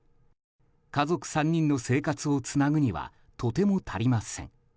家族３人の生活をつなぐにはとても足りません。